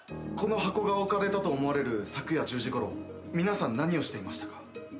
この箱が置かれたと思われる昨夜１０時ごろ皆さん何をしていましたか？